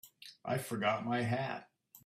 I forgot my hat.